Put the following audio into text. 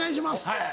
はい。